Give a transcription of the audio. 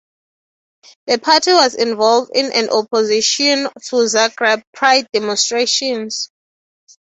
The Party was involved in a opposition to Zagreb Pride demonstrations.